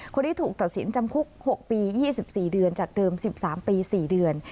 คนที่ถูกตัดสินจำคุก๖ปี๒๔เดือนจากเดิม๑๓ปี๔เดือน